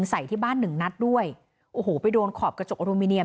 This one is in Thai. ใส่ที่บ้านหนึ่งนัดด้วยโอ้โหไปโดนขอบกระจกอลูมิเนียม